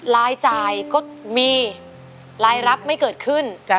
รายจ่ายก็มีรายรับไม่เกิดขึ้น